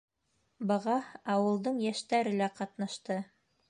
Быға ауылдың йәштәре лә ҡатнашты.